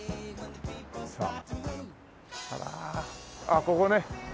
あらあっここね。